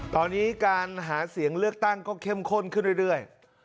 ตอนนี้การหาเสียงเลือกตั้งก็เข้มข้นขึ้นเรื่อย